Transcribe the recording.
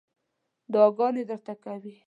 دعاګانې درته کوي.